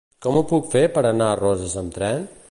Com ho puc fer per anar a Roses amb tren?